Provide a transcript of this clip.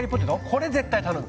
これは絶対頼む。